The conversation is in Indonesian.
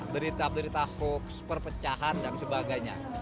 berita berita hoax perpecahan dan sebagainya